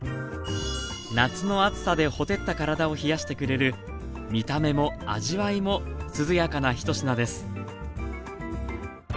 夏の暑さでほてった体を冷やしてくれる見た目も味わいも涼やかな一品です